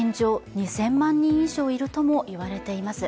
２０００万認め以上いると言われています。